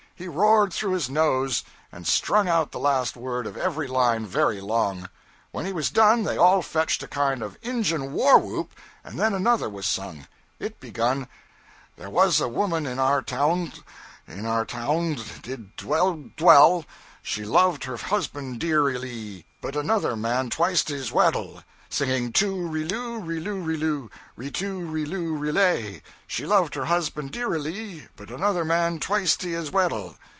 He roared through his nose, and strung out the last word of every line very long. When he was done they all fetched a kind of Injun war whoop, and then another was sung. It begun: 'There was a woman in our towdn, In our towdn did dwed'l (dwell,) She loved her husband dear i lee, But another man twysteas wed'l. Singing too, riloo, riloo, riloo, Ri too, riloo, rilay She loved her husband dear i lee, But another man twyste as wed'l.